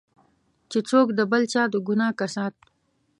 چې څوک د بل چا د ګناه کسات.